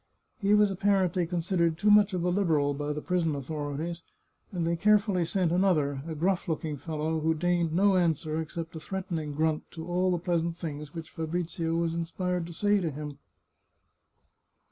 He was apparently considered too much of a Liberal by the prison authorities, and they carefully sent another, a gruflf looking fellow, who deigned no answer except a threatening grunt to all the pleasant things which Fabrizio was inspired to say to him.